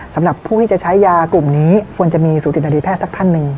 สำหรับผู้ที่จะใช้ยากลุ่มนี้ควรจะมีสูตินารีแพทย์สักท่านหนึ่ง